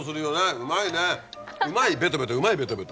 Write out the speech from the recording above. うまいねうまいベトベトうまいベトベト。